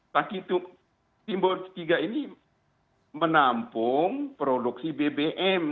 tangki timbun tiga ini menampung produksi bbm